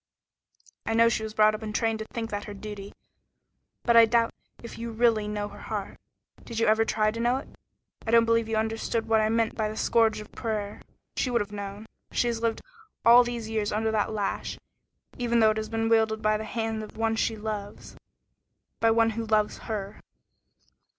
"I know she was brought up and trained to think that her duty, but I doubt if you really know her heart. Did you ever try to know it? I don't believe you understood what I meant by the scourge of prayer. She would have known. She has lived all these years under that lash, even though it has been wielded by the hand of one she loves by one who loves her."